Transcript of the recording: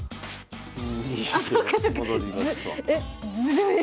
えっずるい。